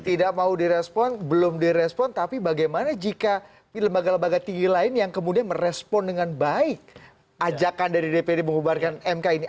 tidak mau direspon belum direspon tapi bagaimana jika lembaga lembaga tinggi lain yang kemudian merespon dengan baik ajakan dari dpd mengubarkan mk ini